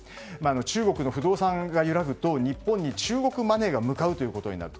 中国の不動産が揺らぐと日本に中国マネーが向かうということになる。